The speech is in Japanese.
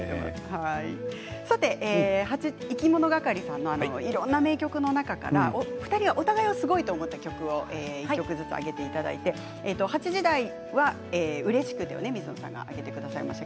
いきものがかりさんのいろいろな名曲の中からお二人がお互いをすごいと思った曲を１曲ずつ挙げていただいて８時台は水野さんが「うれしくて」を挙げてくださいました。